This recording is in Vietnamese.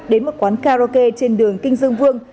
đến một quán karaoke trên đường kinh dương vương